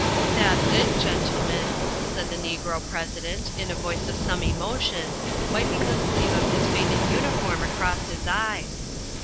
"That's it, gentlemen," said the Negro President, in a voice of some emotion, wiping the sleeve of his faded uniform across his eyes.